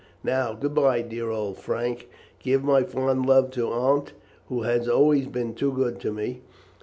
Now, good bye, dear old Frank; give my fond love to Aunt, who has always been too good to me.